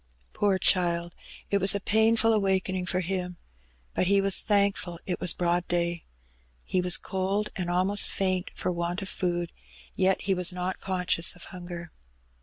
^ Poor child ! it was a painful awaking for him. But he was thankful it was broad day. He was cold, and almost faint for want of food, yet he was not conscious of hunger.